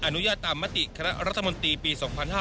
อนุญาตตามมติคณะรัฐมนตรีปี๒๕๕๙